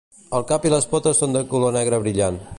El cap i les potes són de color negre brillant.